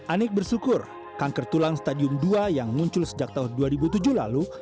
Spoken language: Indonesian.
anik bersyukur kanker tulang stadium dua yang muncul sejak tahun dua ribu tujuh lalu